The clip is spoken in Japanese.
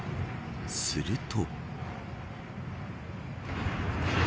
すると。